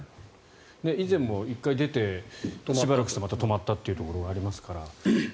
以前も１回出てまたしばらくして止まったということもありますから。